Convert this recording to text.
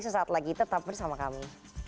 sesaat lagi tetap bersama kami